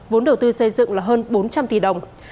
vốn đầu tư xây dựng là hơn bốn trăm linh tỷ đồng